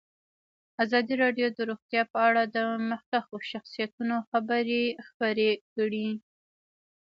ازادي راډیو د روغتیا په اړه د مخکښو شخصیتونو خبرې خپرې کړي.